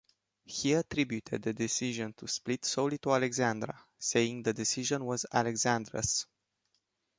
He attributed the decision to split solely to Alexandra saying The decision was Alexandra's.